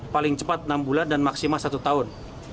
paling cepat enam bulan dan maksimal satu tahun